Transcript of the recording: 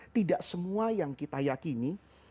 tidak semua yang kita yakini